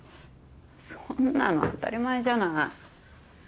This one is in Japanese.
そんなの当たり前じゃない。